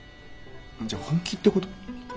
じゃあ本気ってこと？